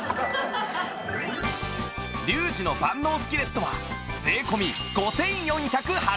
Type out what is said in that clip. リュウジの万能スキレットは税込５４８０円